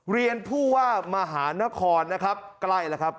เรียนผู้ว่ามหานครนะครับ